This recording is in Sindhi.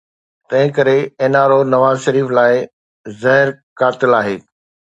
تنهن ڪري N R O Nawaz Sharif لاءِ زهر قاتل آهي.